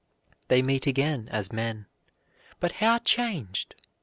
They meet again as men, but how changed!